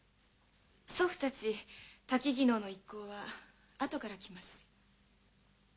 祖父たち薪能の一行はあとから来ます。